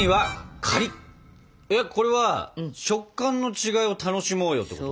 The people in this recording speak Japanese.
えっこれは食感の違いを楽しもうよってこと？